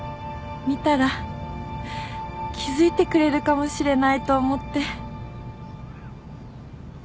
見たら気付いてくれるかもしれないと思って。